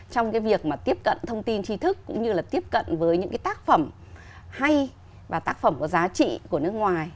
trong cái việc mà tiếp cận thông tin trí thức cũng như là tiếp cận với những cái tác phẩm hay và tác phẩm có giá trị của nước ngoài